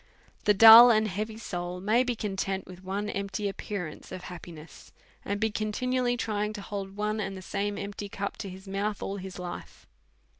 The dull and heavy soul may be content with one empty appearance of happiness, and be continually trying to hold one and the same empty cup to his mouth all his life.